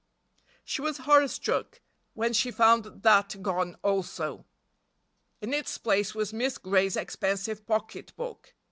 She was horror struck when she found that gone also. In its place was Miss Gray's expensive pocket book.